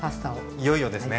いよいよですね。